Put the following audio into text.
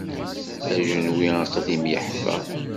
Ajenwi aqdim yeḥfa.